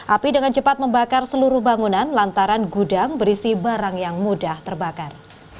api dengan cepat membakar seluruh bangunan lantaran gudang berisi barang yang mudah terbakar